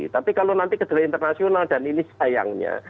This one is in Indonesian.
tapi kalau nanti kedele internasional dan ini sayangnya